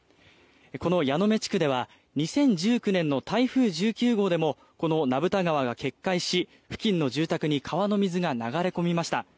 この矢目地区では２０１９年の台風１９号でも名蓋川が決壊し付近の住宅に川の水が流れ込みました。